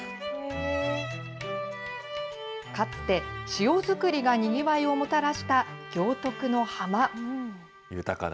塩作りがにぎわいをもたらした行徳の浜。